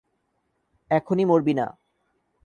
এখনি মরবি না!